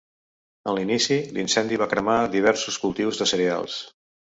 En l’inici, l’incendi va cremar diversos cultius de cereals.